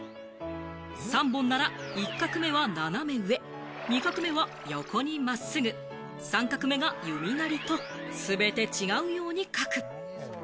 ３本なら１画目は斜め上、２画目は横に真っすぐ、３画目が弓なりと、全て違うように書く。